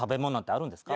あるんすか？